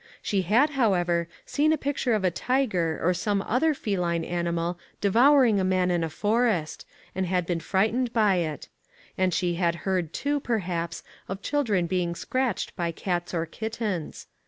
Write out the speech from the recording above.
She had, however, seen a picture of a tiger or some other feline animal devouring a man in a forest, and had been frightened by it; and she had heard too, perhaps, of children being scratched by cats or kittens.